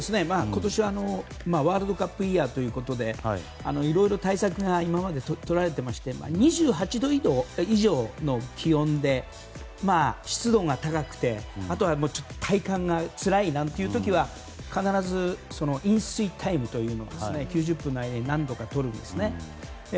今年はワールドカップイヤーということでいろいろ対策が今まで取られていまして２８度以上の気温で湿度が高くてあとは、体感がつらいなんていう時は必ず飲水タイムを９０分の間に何度かとるんです。